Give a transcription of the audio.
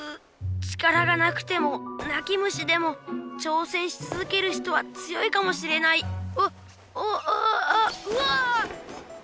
力がなくてもなき虫でもちょうせんしつづける人は強いかもしれないわっおっああうわ！